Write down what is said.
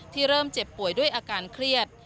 เริ่มเจ็บป่วยด้วยอาการเครียด